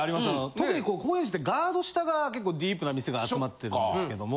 特に高円寺ってガード下が結構ディープな店が集まってるんですけども。